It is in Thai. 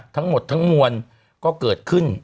ทั้งหมดทั้งมวลก็เกิดขึ้น